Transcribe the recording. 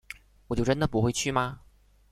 我就真的不会去吗